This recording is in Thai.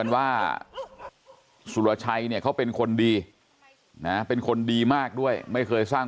ว่าสุรชัยเนี่ยเขาเป็นคนดีนะเป็นคนดีมากด้วยไม่เคยสร้าง